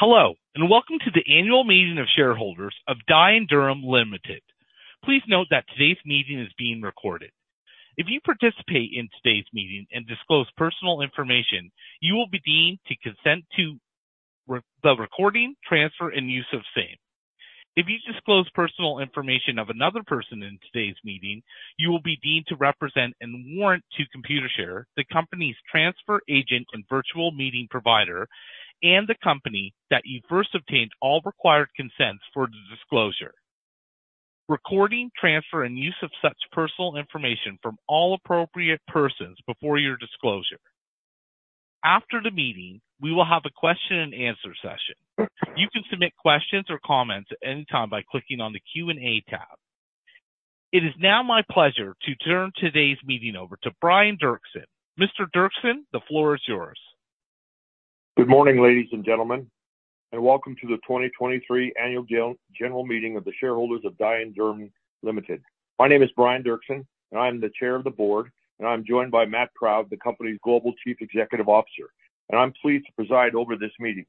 Hello, welcome to the annual meeting of shareholders of Dye & Durham Limited. Please note that today's meeting is being recorded. If you participate in today's meeting and disclose personal information, you will be deemed to consent to the recording, transfer, and use of same. If you disclose personal information of another person in today's meeting, you will be deemed to represent and warrant to Computershare, the company's transfer agent and virtual meeting provider, and the company that you first obtained all required consents for the disclosure, recording, transfer, and use of such personal information from all appropriate persons before your disclosure. After the meeting, we will have a question and answer session. You can submit questions or comments at any time by clicking on the Q&A tab. It is now my pleasure to turn today's meeting over to Brian Derksen. Mr. Derksen, the floor is yours. Good morning, ladies and gentlemen, welcome to the 2023 annual general meeting of the shareholders of Dye & Durham Limited. My name is Brian Derksen, I'm the Chair of the Board, I'm joined by Matt Proud, the company's Global Chief Executive Officer, I'm pleased to preside over this meeting.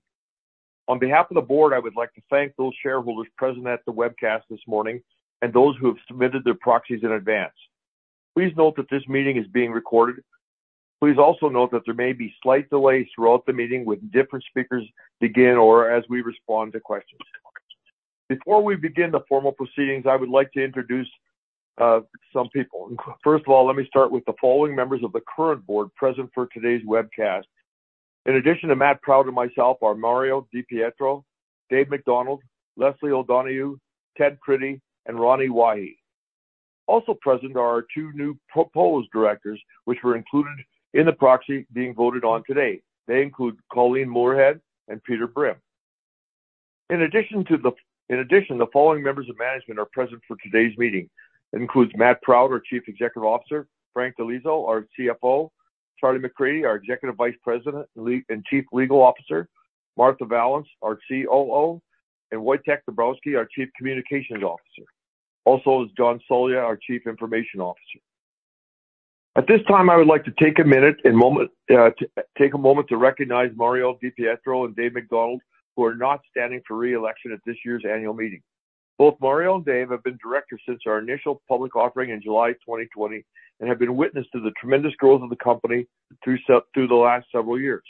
On behalf of the board, I would like to thank those shareholders present at the webcast this morning and those who have submitted their proxies in advance. Please note that this meeting is being recorded. Please also note that there may be slight delays throughout the meeting when different speakers begin or as we respond to questions. Before we begin the formal proceedings, I would like to introduce some people. First of all, let me start with the following members of the current board present for today's webcast. In addition to Matthew Proud and myself, are Mario Di Pietro, David MacDonald, Leslie O'Donoghue, Edward D. Prittie, and Ronnie Wahi. Also present are our two new pro-proposed directors, which were included in the proxy being voted on today. They include Colleen Moorehead and Peter Brimm. In addition, the following members of management are present for today's meeting. It includes Matthew Proud, our Chief Executive Officer, Frank Di Liso, our CFO, Charlie MacCready, our Executive Vice President and Chief Legal Officer, Martha Vallance, our COO, and Wojtek Dabrowski, our Chief Communications Officer. Also is John Sulja, our Chief Information Officer. At this time, I would like to take a moment to recognize Mario Di Pietro and David MacDonald, who are not standing for re-election at this year's annual meeting. Both Mario and Dave have been directors since our initial public offering in July 2020 and have been witness to the tremendous growth of the company through the last several years.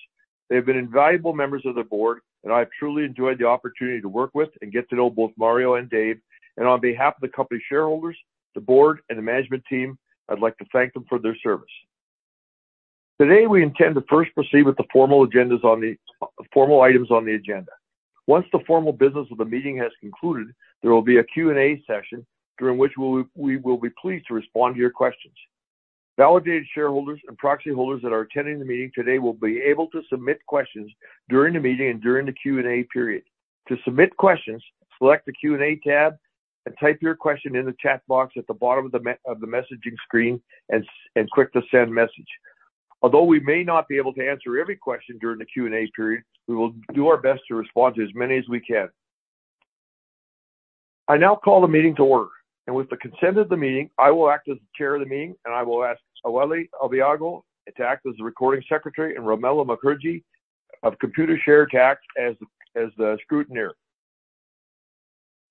They've been invaluable members of the board, and I've truly enjoyed the opportunity to work with and get to know both Mario and Dave. On behalf of the company shareholders, the board, and the management team, I'd like to thank them for their service. Today, we intend to first proceed with the formal agendas on the formal items on the agenda. Once the formal business of the meeting has concluded, there will be a Q&A session during which we will be pleased to respond to your questions. Validated shareholders and proxy holders that are attending the meeting today will be able to submit questions during the meeting and during the Q&A period. To submit questions, select the Q&A tab and type your question in the chat box at the bottom of the messaging screen and click the Send Message. Although we may not be able to answer every question during the Q&A period, we will do our best to respond to as many as we can. I now call the meeting to order, and with the consent of the meeting, I will act as the Chair of the meeting, and I will ask Awele Obiago to act as the recording secretary and Romello Mukherjee of Computershare to act as the scrutineer.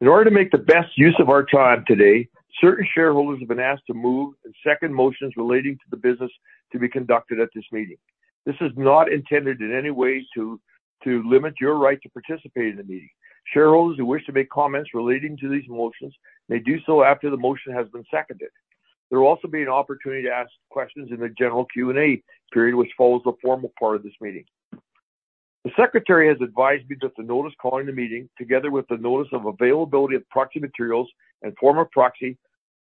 In order to make the best use of our time today, certain shareholders have been asked to move and second motions relating to the business to be conducted at this meeting. This is not intended in any way to limit your right to participate in the meeting. Shareholders who wish to make comments relating to these motions may do so after the motion has been seconded. There will also be an opportunity to ask questions in the general Q&A period which follows the formal part of this meeting. The secretary has advised me that the notice calling the meeting, together with the notice of availability of proxy materials and form of proxy,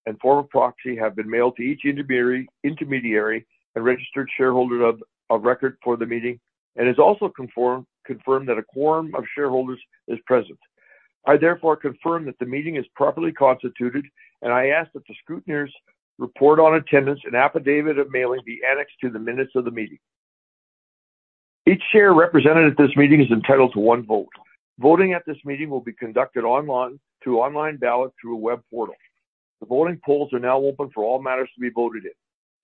and form of proxy, have been mailed to each intermediary and registered shareholder of record for the meeting and has also confirmed that a quorum of shareholders is present. I therefore confirm that the meeting is properly constituted, and I ask that the scrutineer's report on attendance and affidavit of mailing be annexed to the minutes of the meeting. Each share represented at this meeting is entitled to one vote. Voting at this meeting will be conducted online through online ballot through a web portal. The voting polls are now open for all matters to be voted in.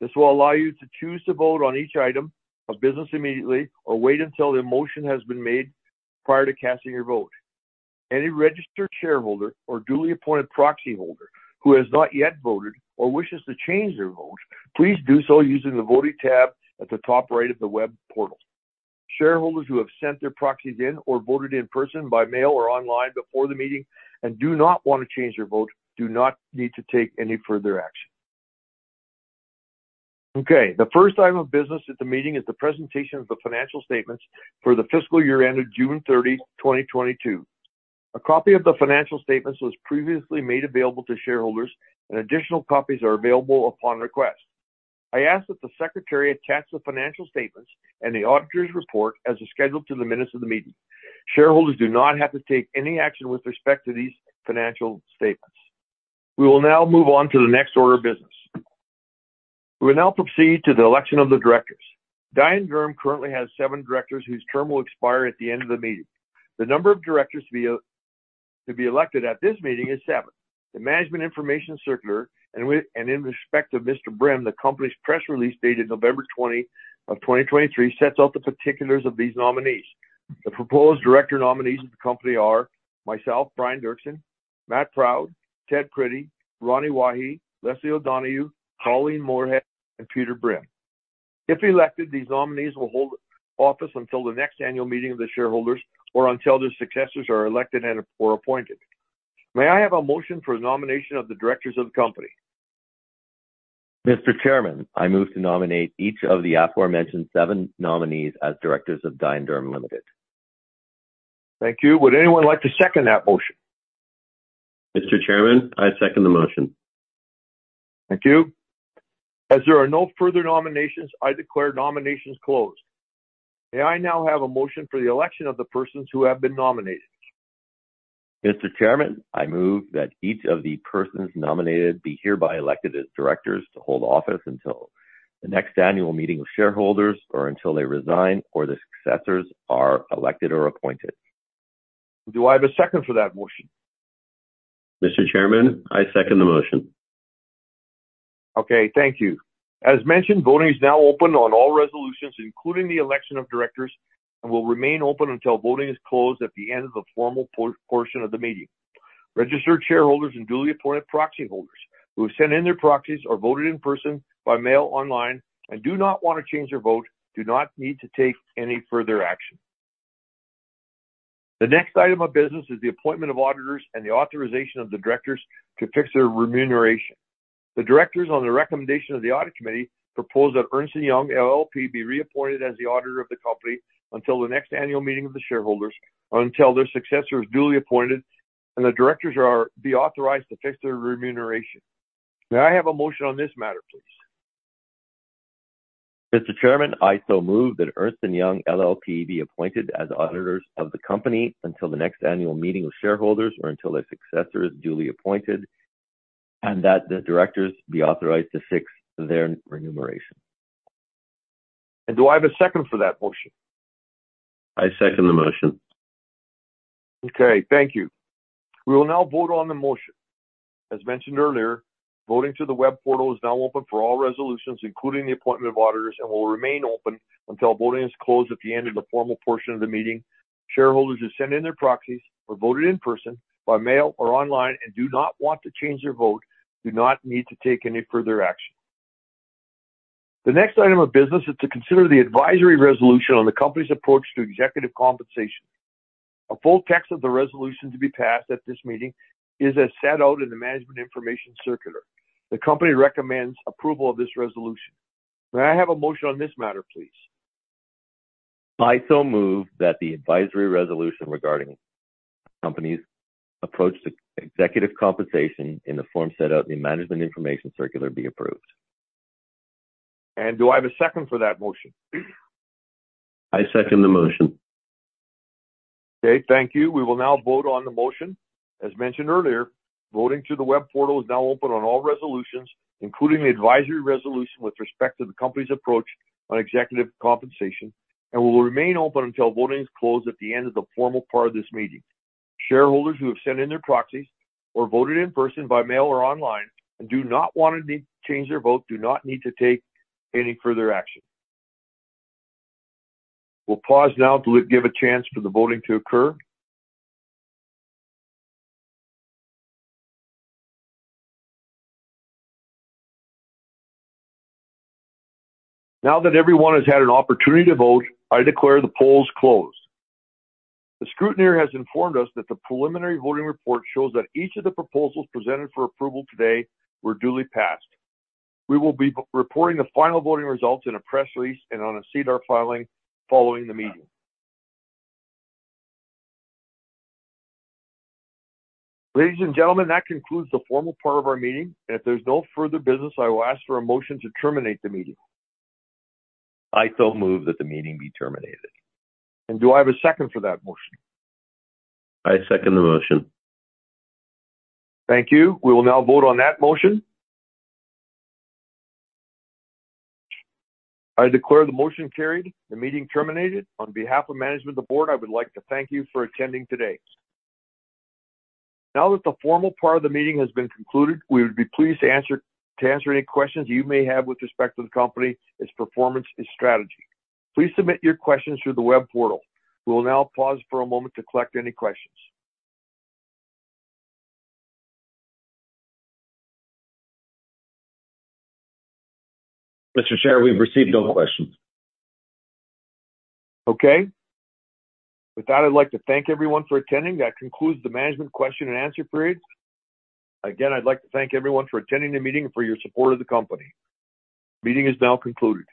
This will allow you to choose to vote on each item of business immediately or wait until the motion has been made prior to casting your vote. Any registered shareholder or duly appointed proxy holder who has not yet voted or wishes to change their vote, please do so using the Voting tab at the top right of the web portal. Shareholders who have sent their proxies in or voted in person by mail or online before the meeting and do not want to change their vote do not need to take any further action. Okay. The first item of business at the meeting is the presentation of the financial statements for the fiscal year ended June 30, 2022. A copy of the financial statements was previously made available to shareholders, and additional copies are available upon request. I ask that the secretary attach the financial statements and the auditor's report as a schedule to the minutes of the meeting. Shareholders do not have to take any action with respect to these financial statements. We will now move on to the next order of business. We will now proceed to the election of the directors. Dye & Durham currently has seven directors whose term will expire at the end of the meeting. The number of directors to be elected at this meeting is seven. The management information circular and in respect to Mr. Brimm, the company's press release dated November 20 of 2023 sets out the particulars of these nominees. The proposed director nominees of the company are myself, Brian Derksen, Matthew Proud, Edward Prittie, Ronnie Wahi, Leslie O'Donoghue, Colleen Moorehead, and Peter Brimm. If elected, these nominees will hold office until the next annual meeting of the shareholders or until their successors are elected and, or appointed. May I have a motion for the nomination of the directors of the company? Mr. Chairman, I move to nominate each of the aforementioned seven nominees as directors of Dye & Durham Limited. Thank you. Would anyone like to second that motion? Mr. Chairman, I second the motion. Thank you. As there are no further nominations, I declare nominations closed. May I now have a motion for the election of the persons who have been nominated? Mr. Chairman, I move that each of the persons nominated be hereby elected as directors to hold office until the next annual meeting of shareholders or until they resign or the successors are elected or appointed. Do I have a second for that motion? Mr. Chairman, I second the motion. Okay, thank you. As mentioned, voting is now open on all resolutions, including the election of directors, and will remain open until voting is closed at the end of the formal portion of the meeting. Registered shareholders and duly appointed proxy holders who have sent in their proxies or voted in person, by mail, online, and do not wanna change their vote, do not need to take any further action. The next item of business is the appointment of auditors and the authorization of the directors to fix their remuneration. The directors, on the recommendation of the audit committee, propose that Ernst & Young LLP be reappointed as the auditor of the company until the next annual meeting of the shareholders, or until their successor is duly appointed and the directors be authorized to fix their remuneration. May I have a motion on this matter, please? Mr. Chairman, I so move that Ernst & Young LLP be appointed as auditors of the company until the next annual meeting of shareholders or until a successor is duly appointed, and that the directors be authorized to fix their remuneration. Do I have a second for that motion? I second the motion. Okay, thank you. We will now vote on the motion. As mentioned earlier, voting through the web portal is now open for all resolutions, including the appointment of auditors, and will remain open until voting is closed at the end of the formal portion of the meeting. Shareholders who sent in their proxies or voted in person, by mail, or online and do not want to change their vote do not need to take any further action. The next item of business is to consider the advisory resolution on the company's approach to executive compensation. A full text of the resolution to be passed at this meeting is as set out in the management information circular. The company recommends approval of this resolution. May I have a motion on this matter, please? I so move that the advisory resolution regarding company's approach to executive compensation in the form set out in management information circular be approved. Do I have a second for that motion? I second the motion. Okay, thank you. We will now vote on the motion. As mentioned earlier, voting through the web portal is now open on all resolutions, including the advisory resolution with respect to the company's approach on executive compensation, and will remain open until voting is closed at the end of the formal part of this meeting. Shareholders who have sent in their proxies or voted in person, by mail, or online and do not wanna change their vote, do not need to take any further action. We'll pause now to give a chance for the voting to occur. Now that everyone has had an opportunity to vote, I declare the polls closed. The scrutineer has informed us that the preliminary voting report shows that each of the proposals presented for approval today were duly passed. We will be reporting the final voting results in a press release and on a SEDAR filing following the meeting. Ladies and gentlemen, that concludes the formal part of our meeting, if there's no further business, I will ask for a motion to terminate the meeting. I so move that the meeting be terminated. Do I have a second for that motion? I second the motion. Thank you. We will now vote on that motion. I declare the motion carried, the meeting terminated. On behalf of management and the board, I would like to thank you for attending today. Now that the formal part of the meeting has been concluded, we would be pleased to answer any questions you may have with respect to the company, its performance, its strategy. Please submit your questions through the web portal. We will now pause for a moment to collect any questions. Mr. Chair, we've received no questions. Okay. With that, I'd like to thank everyone for attending. That concludes the management question and answer period. Again, I'd like to thank everyone for attending the meeting and for your support of the company. Meeting is now concluded.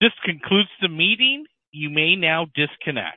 This concludes the meeting. You may now disconnect.